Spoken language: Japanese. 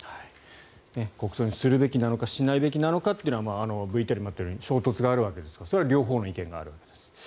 国葬にするべきなのかしないべきなのかというのはＶＴＲにもあったように衝突があるわけですからそれは両方の意見があります。